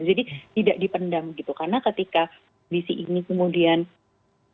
jadi tidak dipendam gitu karena ketika visi ini kemudian dipendam